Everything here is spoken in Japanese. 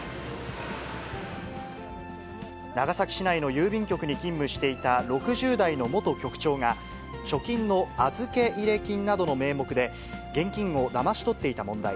長崎市内の郵便局に勤務していた６０代の元局長が、貯金の預け入れ金などの名目で、現金をだまし取っていた問題。